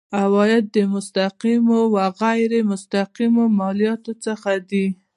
عواید د مستقیمو او غیر مستقیمو مالیاتو څخه دي.